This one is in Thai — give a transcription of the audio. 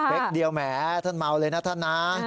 เล็กเดียวแหมท่านเมาเลยนะท่านนะ